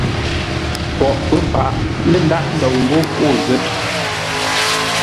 Poghʼ pə̌ fǎʼ lə́ ndághʼ ndou ńgó o zə̂t.